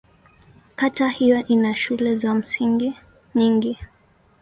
Kata hiyo ina shule za msingi nyingi.